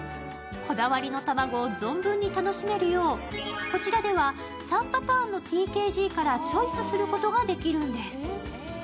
こだわりの卵を存分に楽しめるようこちらでは３パターンのＴＫＧからチョイスすることができるんです。